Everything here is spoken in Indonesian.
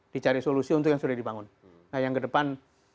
dicari solusi untuk yang sudah dibangun nah yang kedepan